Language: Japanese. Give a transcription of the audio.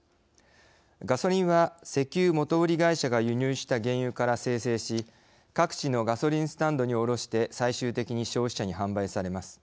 ガソリンは、石油元売り会社が輸入した原油から精製し各地のガソリンスタンドに卸して最終的に消費者に販売されます。